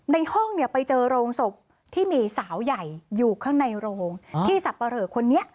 ในห้องเนี่ยไปเจอโรงศพที่มีสาวใหญ่อยู่ข้างในโรงที่สับปะเหลอคนนี้